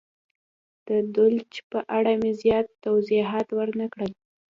د دولچ په اړه مې زیات توضیحات ور نه کړل.